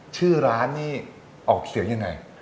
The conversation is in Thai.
ชื่อร้านนี่ออกเสียงยังไง